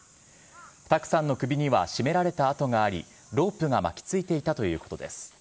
卓さんの首には絞められた跡があり、ロープが巻き付いていたということです。